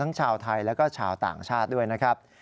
ชาวไทยแล้วก็ชาวต่างชาติด้วยนะครับ